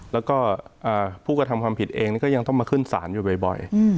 แล้วก็ผู้กระทำความผิดเองก็ยังต้องมาขึ้นศาลอยู่บ่อย